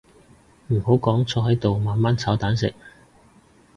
唔好講坐喺度慢慢炒蛋食